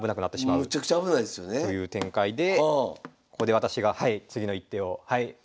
むちゃくちゃ危ないですよね。という展開でここで私が次の一手を。